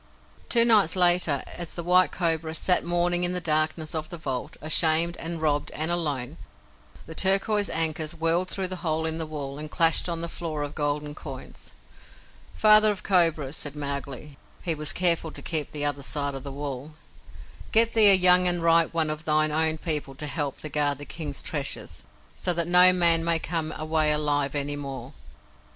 Two nights later, as the White Cobra sat mourning in the darkness of the vault, ashamed, and robbed, and alone, the turquoise ankus whirled through the hole in the wall, and clashed on the floor of golden coins. "Father of Cobras," said Mowgli (he was careful to keep the other side of the wall), "get thee a young and ripe one of thine own people to help thee guard the King's Treasure, so that no man may come away alive any more."